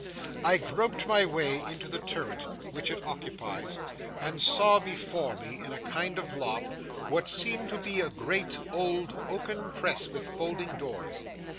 I groped my way into the Turret which it occupies, and saw before me, in a kind of loft, what seemed to be a great, old oaken press with folding doors.